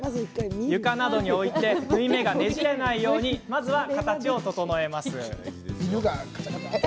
床などに置いて縫い目がねじれないようにまずは形を整えます。